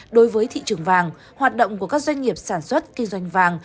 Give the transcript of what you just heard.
đối với thị trường vàng hoạt động của các doanh nghiệp sản xuất kinh doanh vàng